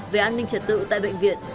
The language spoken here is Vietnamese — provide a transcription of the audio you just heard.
về an ninh trật tự tại bệnh viện